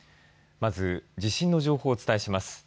まず地震の情報をお伝えします。